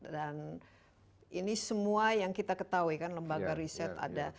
dan ini semua yang kita ketahui kan lembaga riset ada